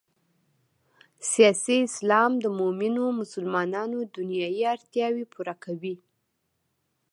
سیاسي اسلام د مومنو مسلمانانو دنیايي اړتیاوې پوره کوي.